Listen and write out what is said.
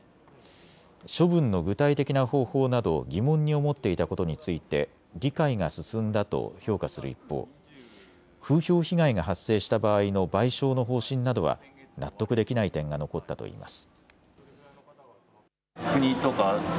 処分の具体的な方法など疑問に思っていたことについて理解が進んだと評価する一方、風評被害が発生した場合の賠償の方針などは納得できない点が残ったといいます。